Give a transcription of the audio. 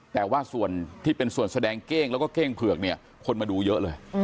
แต่ว่าส่วนที่เป็นส่วนแสดงเก้งแล้วก็เก้งเผือกเนี่ยคนมาดูเยอะเลย